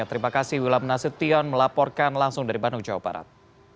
terima kasih wilam nasution melaporkan langsung dari bandung jawa barat